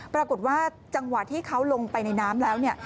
ปรากฏว่าจังหวะที่เขาลงไปในน้ำแล้วเนี่ย